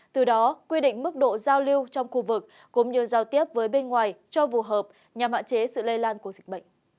từ đó quy định mức độ giao lưu trong khu vực cũng như giao tiếp với bên ngoài cho phù hợp nhằm hạn chế sự lây lan của dịch bệnh